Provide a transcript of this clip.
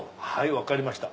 分かりました。